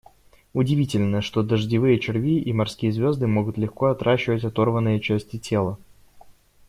Удивительно, что дождевые черви и морские звезды могут легко отращивать оторванные части тела.